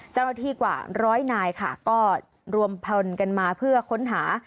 เจ้าหน้าที่กว่าร้อยนายค่ะก็รวมพันกันมาเพื่อค้นหา